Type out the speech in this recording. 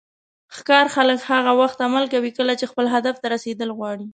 ښکار خلک هغه وخت عمل کوي کله چې خپل هدف ته رسیدل غواړي.